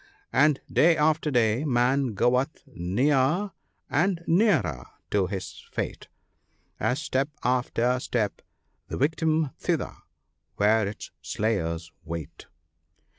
And day after day man goeth near and nearer to his fate, As step after step the victim thither where its slayers wait."